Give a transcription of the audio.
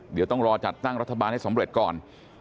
เดี๋ยวต้องรอจัดตั้งรัฐบาลให้สำเร็จก่อน